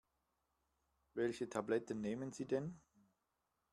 Welche Tabletten nehmen Sie denn?